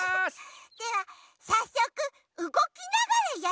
ではさっそくうごきながらやっていきましょう！